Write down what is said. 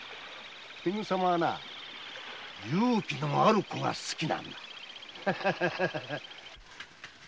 天狗様は勇気のある子が好きなんだ。